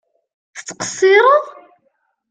Tettqeṣṣireḍ?